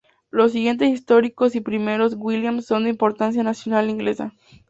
Los siguientes históricos y "primeros" Williams son de importancia nacional inglesa